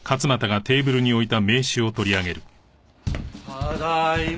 ただいま。